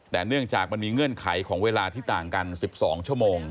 แต่เนื่องจากมันมีเงื่อนไขของเวลาที่ต่างกัน๑๒ชั่วโมง